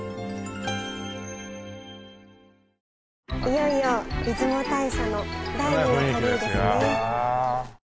いよいよ出雲大社の第二の鳥居ですね。